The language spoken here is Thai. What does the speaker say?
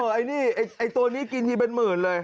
ไอ้นี่ไอ้ตัวนี้กินทีเป็นหมื่นเลย